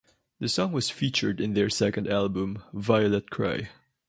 The song was featured in their second album "Violet Cry".